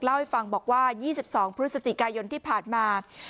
เล่าให้ฟังบอกว่า๒๒พฤศจิกายนที่ผ่านมา